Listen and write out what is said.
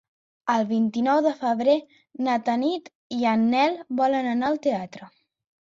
El vint-i-nou de febrer na Tanit i en Nel volen anar al teatre.